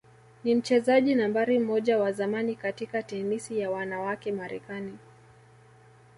ni mchezaji nambari moja wa zamani katika tenisi ya wanawake Marekani